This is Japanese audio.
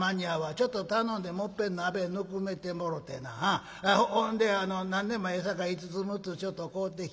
ちょっと頼んでもっぺん鍋ぬくめてもろてなほんであの何でもええさかい５つ６つちょっと買うてき。